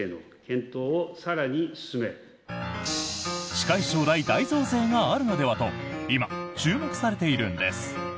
近い将来大増税があるのではと今、注目されているんです。